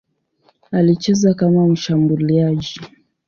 Alicheza kama mshambuliaji.